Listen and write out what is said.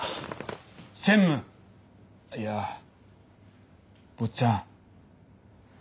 専務いや坊ちゃん。